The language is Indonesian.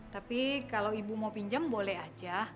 tapi kalau ibu mau pinjam boleh aja